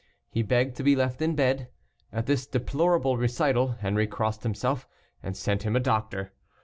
He begged to be left in bed. At this deplorable recital, Henri crossed himself, and sent him a doctor.